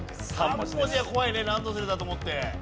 ３文字は怖いねランドセルだと思って。